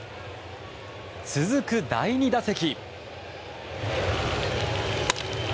続く第２打席。